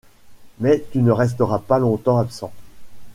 Mais tu ne resteras pas longtemps absent ?